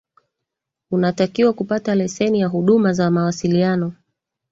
unatakiwa kupata leseni ya huduma za mawasiliano